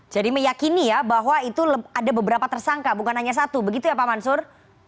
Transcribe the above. jadi meyakini ya bahwa itu ada beberapa tersangka bukan hanya satu begitu ya pak mansur